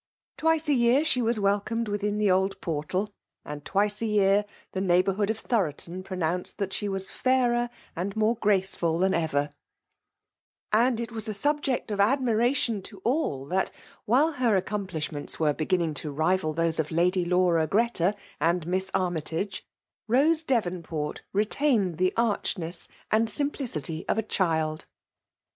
Twice a^year ^e was welcomed within the old portal; and twice a year the nei^bourhood of Thoroton pronounced that she was faheer and more graceful than ever; and it was a subject of admiration to all that, while her aecomplishments were beginning to rival those of Lady Laura Greta and Miss Army' tage, Bose Devonport retained the archness and simplicity of a child.